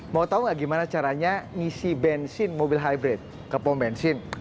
mau tau gak gimana caranya ngisi bensin mobil hybrid ke pom bensin